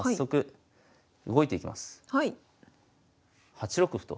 ８六歩と。